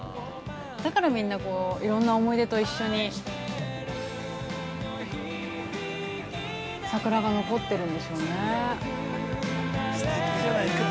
だからみんなこう、いろんな思い出と一緒に桜が残ってるんでしょうね。